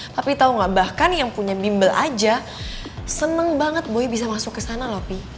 tapi tau gak bahkan yang punya bimbel aja seneng banget boy bisa masuk ke sana loh pi